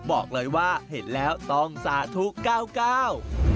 บอกเลยว่าเห็นแล้วตองสาธุเก่า